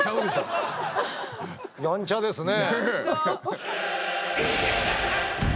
やんちゃですね。